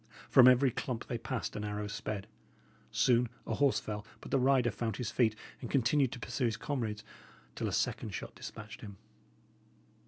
From every clump they passed an arrow sped. Soon a horse fell, but the rider found his feet and continued to pursue his comrades till a second shot despatched him.